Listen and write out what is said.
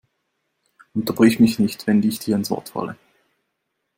Unterbrich mich nicht, wenn ich dir ins Wort falle!